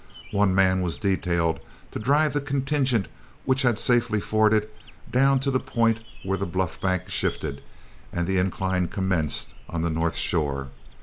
One man was detailed to drive the contingent which had safely forded, down to the point where the bluff bank shifted and the incline commenced on the north shore.